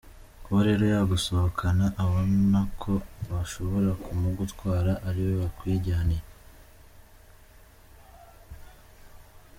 Kuba rero yagusohokana, abona ko bashobora kumugutwara ariwe wakwijyaniye.